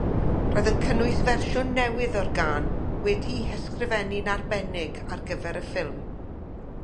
Roedd yn cynnwys fersiwn newydd o'r gân, wedi'i hysgrifennu'n arbennig ar gyfer y ffilm.